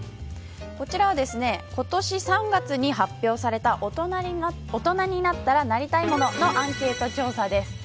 こちらは今年３月に発表された大人になったらなりたいもののアンケート調査です。